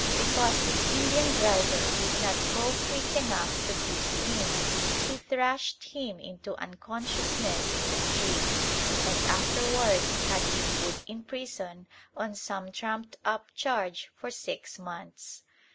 Because his Indian driver did not go quick enough to please him, he thrashed him into unconsciousness in the street, and afterwards had him put in prison on some trumped up charge for six months.